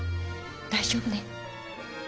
大丈夫ね？